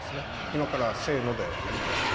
今からせのでやると。